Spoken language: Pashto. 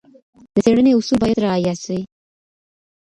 د څېړني اصول باید رعایت سي.